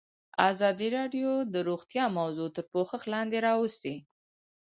ازادي راډیو د روغتیا موضوع تر پوښښ لاندې راوستې.